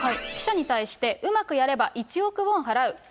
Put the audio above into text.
記者に対して、うまくやれば１億ウォン払う。